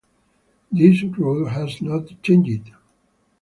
This rule has not changed.